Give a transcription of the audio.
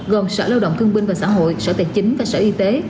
gồm sở lao động thương binh và xã hội sở tài chính và sở y tế